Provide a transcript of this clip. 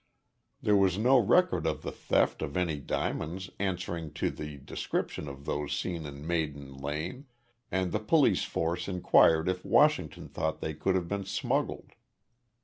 There was no record of the theft of any diamonds answering to the description of those seen in Maiden Lane, and the police force inquired if Washington thought they could have been smuggled.